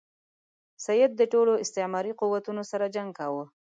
سید د ټولو استعماري قوتونو سره جنګ کاوه.